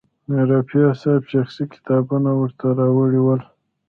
رفیع صاحب شخصي کتابونه ورته راوړي ول.